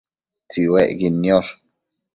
Tsiuecquid niosh